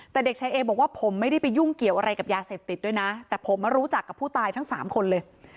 แต่เด็กชายเอบอกว่าผมไม่ได้ไปยุ่งเกี่ยวอะไรกับยาเสพติดด้วยนะแต่ผมมารู้จักกับผู้ตายทั้งสามคนเลย